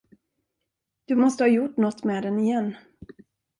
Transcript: Du måste ha gjort nåt med den igen.